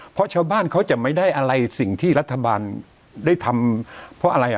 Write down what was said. เพราะชาวบ้านเขาจะไม่ได้อะไรสิ่งที่รัฐบาลได้ทำเพราะอะไรอ่ะ